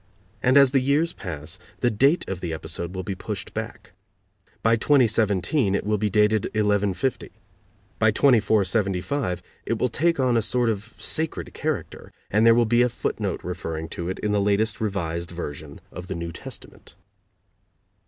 And as the years pass, the date of the episode will be pushed back. By 2017 it will be dated 1150. By 2475 it will take on a sort of sacred character, and there will be a footnote referring to it in the latest Revised Version of the New Testament.)